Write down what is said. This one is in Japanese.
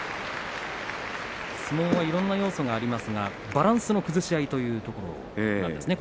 相撲はいろんな要素がありますがバランスの崩し合いということなんですね